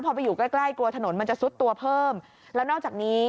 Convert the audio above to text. พอไปอยู่ใกล้ใกล้กลัวถนนมันจะซุดตัวเพิ่มแล้วนอกจากนี้